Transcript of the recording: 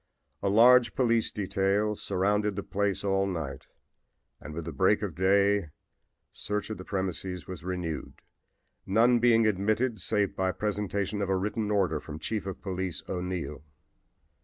A large police detail surrounded the place all night and with the break of day search of the premises was renewed, none being admitted save by presentation of a written order from Chief of Police O'Neill.